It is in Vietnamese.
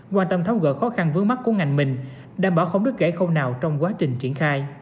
quan tâm tháo gỡ khó khăn vướng mắt của ngành mình đảm bảo không đứt gãy khâu nào trong quá trình triển khai